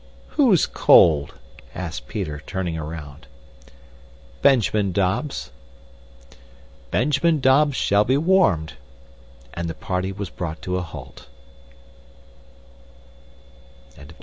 "Who is cold?" asked Peter, turning around. "Benjamin Dobbs." "Benjamin Dobbs shall be warmed," and the party was brought to a halt.